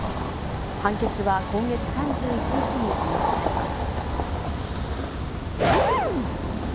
判決は今月３１日に言い渡されます。